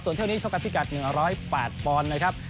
ส่วนเที่ยวนี้ชกกันพิกัด๑๐๘ปอนด์นะครับ